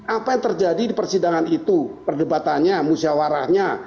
apa yang terjadi di persidangan itu perdebatannya musyawarahnya